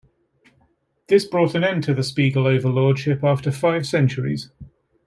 This brought an end to the Spiegel overlordship after five centuries.